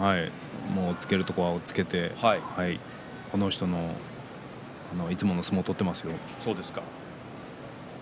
押っつけるところは押っつけてこの人のいつもの相撲を取っていますよ。